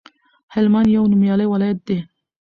هلمند یو نومیالی ولایت دی